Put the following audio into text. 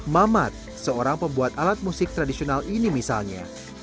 mamat seorang pembuat alat musik tradisional ini misalnya